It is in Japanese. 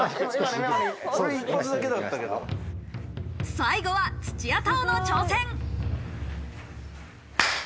最後は土屋太鳳の挑戦。